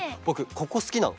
ここすきなの。